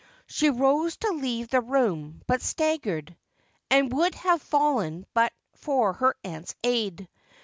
She rose to leave the room, but staggered, and would have fallen but for her aunt's aid.